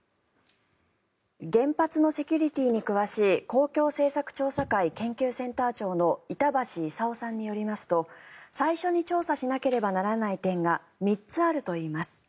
原発のセキュリティーに詳しい公共政策調査会研究センター長の板橋功さんによりますと最初に調査しなければならない点が３つあるといいます。